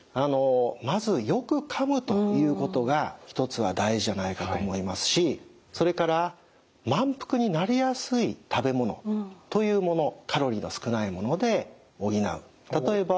まずよくかむということが一つは大事じゃないかと思いますしそれから満腹になりやすい食べ物というものカロリーの少ないもので補う。